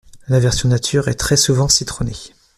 La version nature est très souvent citronnée.